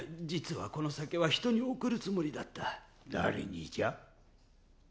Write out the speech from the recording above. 実はこの酒は人に贈るつもりだった誰にじゃ？